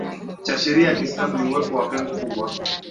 cha sheria ya Kiislamu ni uwepo wa pengo kubwa